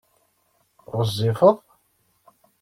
Ɣezzifeḍ?